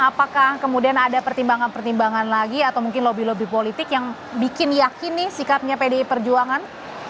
apakah kemudian ada pertimbangan pertimbangan lagi atau mungkin lobby lobby politik yang bikin yakini sikapnya pdi perjuangan